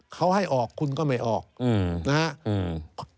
เขาให้ออกคุณก็ไม่ออกนะฮะ